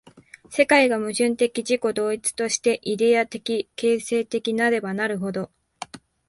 世界が矛盾的自己同一として、イデヤ的形成的なればなるほど、